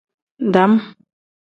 Dam.